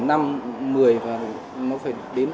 năm một mươi và nó phải đến ba mươi năm tới